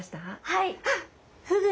はい！